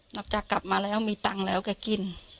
นอกจากกลับมาแล้วมีตังแล้วแกกิน